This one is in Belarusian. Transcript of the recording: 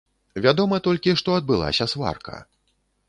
Вядома толькі, што адбылася сварка.